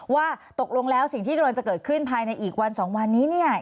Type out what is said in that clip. ว่าตกลงแล้วสิ่งที่กำลังจะเกิดขึ้นภายในอีกวันสองวันนี้เนี่ย